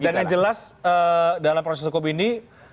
dan yang jelas dalam proses hukum ini